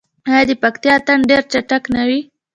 آیا د پکتیا اتن ډیر چټک نه وي؟